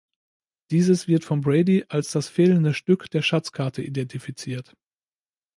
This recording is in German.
Dieses wird von Brady als das fehlende Stück der Schatzkarte identifiziert.